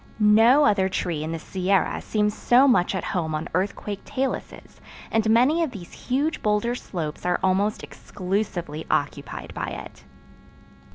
No other tree in the Sierra seems so much at home on earthquake taluses and many of these huge boulder slopes are almost exclusively occupied by it.